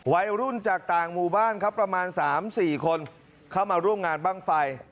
วัยรุ่นจากต่างหมู่บ้านครับประมาณ๓๔คนเข้ามาร่วมงานบ้างไฟ